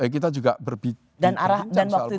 kita juga berbicara soal politik